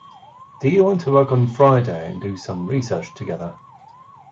Do you want to work on Friday and do some research together?